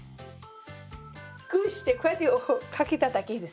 グーしてこうやってかけただけです。